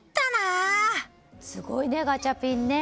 すごいね、ガチャピンね。